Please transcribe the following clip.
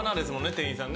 店員さん。